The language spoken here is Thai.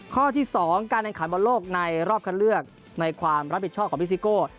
ข้อที่๒การแข่งขันบอลโลกในรอบคันเลือกในความรับผิดชอบของพี่ซิโก้